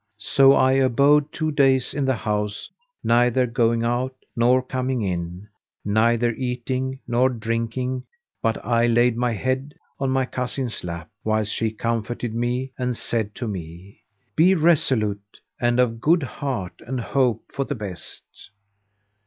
So I abode two days in the house, neither going out nor coming in; neither eating nor drinking but I laid my head on my cousin's lap, whilst she comforted me and said to me, "Be resolute and of good heart and hope for the best!"